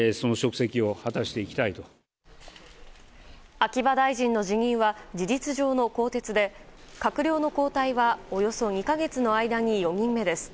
秋葉大臣の辞任は事実上の更迭で閣僚の交代はおよそ２か月の間に４人目です。